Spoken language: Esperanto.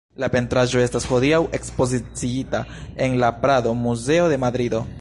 La pentraĵo estas hodiaŭ ekspoziciita en la Prado-Muzeo de Madrido.